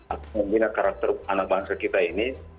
akan membina karakter anak bangsa kita ini